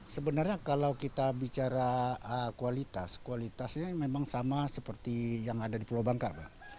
sebenarnya kalau kita bicara kualitas kualitasnya memang sama seperti yang ada di pulau bangka pak